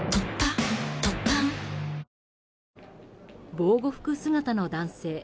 防護服姿の男性。